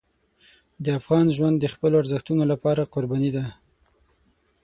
د افغان ژوند د خپلو ارزښتونو لپاره قرباني ده.